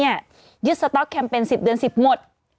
ยึดสต๊อกแคมเปญ๑๐เดือน๑๐หมด